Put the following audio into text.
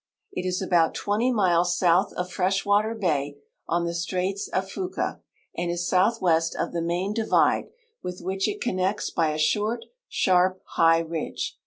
It is about twenty miles south of Freshwater bay on the straits of Fuca, and is southwest of the main divide, with which it connects by a short, sharp, high ridge.